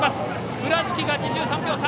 倉敷が２３秒差。